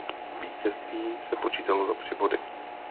Vítězství se počítalo za tři body.